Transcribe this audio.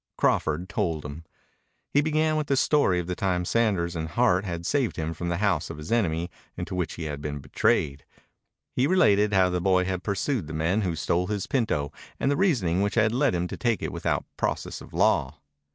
Crawford told him. He began with the story of the time Sanders and Hart had saved him from the house of his enemy into which he had been betrayed. He related how the boy had pursued the men who stole his pinto and the reasoning which had led him to take it without process of law.